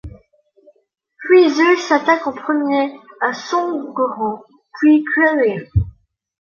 Freezer s’attaque en premier à Son Gohan puis Krilin.